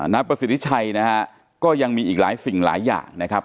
นายประสิทธิชัยนะฮะก็ยังมีอีกหลายสิ่งหลายอย่างนะครับ